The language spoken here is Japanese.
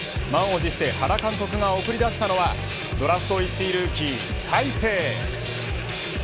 満を持して原監督が送り出したのはドラフト１位ルーキー大勢。